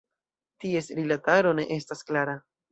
Ties rilataro ne estas klara.